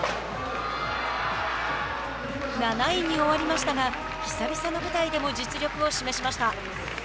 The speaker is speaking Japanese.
７位に終わりましたが久々の舞台でも実力を示します。